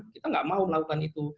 kita nggak mau melakukan itu